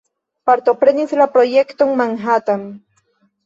Partoprenis la projekton Manhattan.